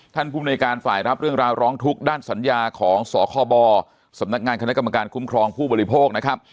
ภูมิในการฝ่ายรับเรื่องราวร้องทุกข์ด้านสัญญาของสคบสำนักงานคณะกรรมการคุ้มครองผู้บริโภคนะครับ